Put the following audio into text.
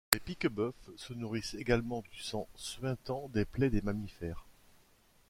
Les piquebœufs se nourrissent également du sang suintant des plaies des mammifères.